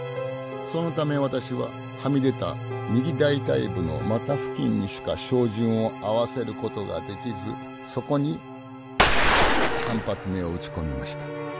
そのため私ははみ出た右大腿部の股付近にしか照準を合わせる事ができずそこに３発目を撃ち込みました。